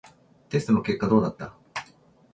テストの結果はどうだった？